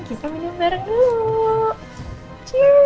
kita minum bareng dulu